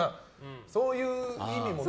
そういう意味もね。